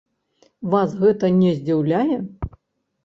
Вас гэта не здзіўляе?